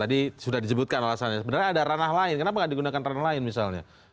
tadi sudah disebutkan alasannya sebenarnya ada ranah lain kenapa tidak digunakan ranah lain misalnya